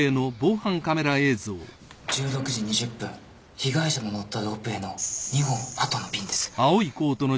１６時２０分被害者の乗ったロープウエーの２本後の便です。